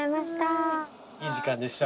いい時間でした。